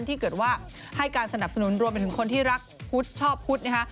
ที่เกิดว่าให้การสนับสนุนรวมไปถึงคนที่รักพุทธชอบพุทธนะคะ